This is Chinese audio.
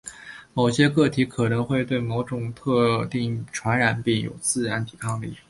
某些个体可能会对某种特定传染病有自然抵抗力。